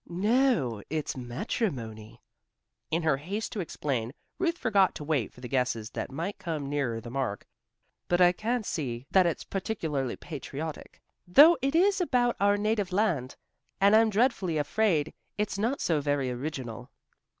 "No, it's matrimony." In her haste to explain, Ruth forgot to wait for the guesses that might come nearer the mark. "But I can't see that it's particularly patriotic, though it is about our native land, and I'm dreadfully afraid it's not so very original."